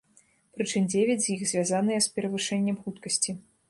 Прычым дзевяць з іх звязаныя з перавышэннем хуткасці.